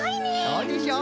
そうでしょう！